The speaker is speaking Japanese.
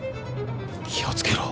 気を付けろ。